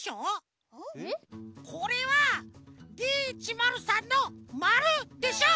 これはＤ１０３の「０」でしょ！